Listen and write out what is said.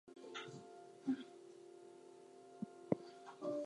His only surviving son and successor was Sultan Muhammad Shah.